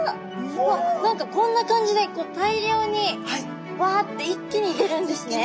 わっ何かこんな感じで大量にわって一気に出るんですね。